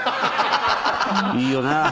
いいよな。